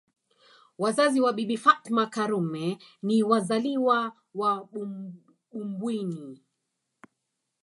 Wazazi wa Bibi Fatma Karume ni wazaliwa wa Bumbwini